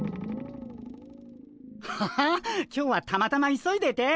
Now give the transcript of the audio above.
ハハ今日はたまたま急いでて。